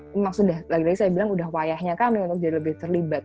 memang sudah lagi lagi saya bilang sudah wayahnya kami untuk jadi lebih terlibat